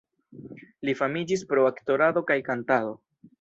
Li famiĝis pro aktorado kaj kantado.